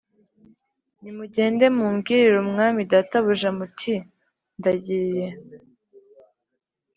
Nimugende mumbwirire umwami databuja muti ndagiye